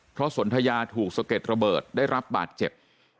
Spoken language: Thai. เพราะสนทยาถูกสะเก็ดระเบิดได้รับบาดเจ็บ